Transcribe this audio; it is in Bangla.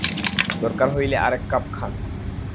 দরকার হইলে আরেক কাপ খান।